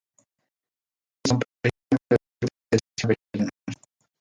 Estos últimos son precisamente los grupos de torsión abelianos.